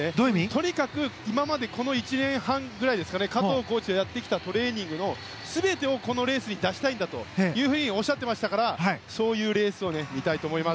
とにかくこの１年半ぐらい加藤コーチとやってきたトレーニングの全てをこのレースに出したいんだというふうにおっしゃっていましたからそういうレースを見たいと思います。